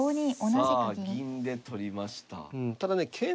さあ銀で取りました。